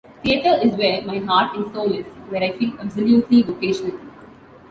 Theatre is where my heart and soul is, where I feel absolutely vocational.